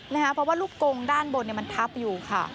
เหรอคะเพราะว่าลูกกงด้านบนทับอยู่ค่ะ